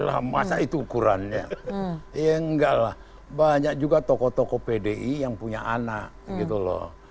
lah masa itu ukurannya ya enggak lah banyak juga tokoh tokoh pdi yang punya anak gitu loh